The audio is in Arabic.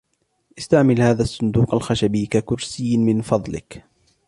استعمل هذا الصندوق الخشبي ككرسي من فضلك.